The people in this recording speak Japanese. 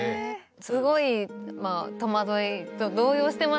すごい戸惑いと動揺してました。